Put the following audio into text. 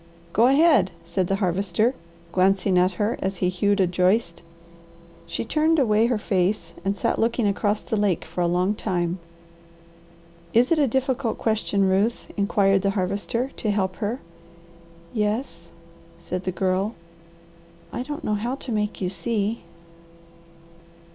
"Go ahead!" said the Harvester, glancing at her as he hewed a joist. She turned away her face and sat looking across the lake for a long time. "Is it a difficult question, Ruth?" inquired the Harvester to help her. "Yes," said the Girl. "I don't know how to make you see."